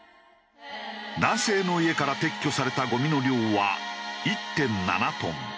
男性の家から撤去されたゴミの量は１．７トン。